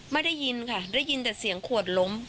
ได้ยินค่ะได้ยินแต่เสียงขวดล้ม